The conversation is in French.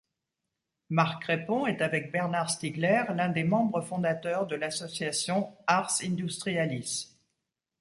Marc Crépon est avec Bernard Stiegler l'un des membres fondateurs de l'association Ars Industrialis.